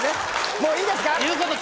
もういいですか？